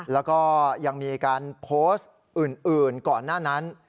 แล้วก็ยังมีการโพสต์อื่นก่อนหน้านั้น